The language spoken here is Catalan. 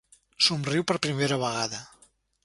Somriu per primera vegada.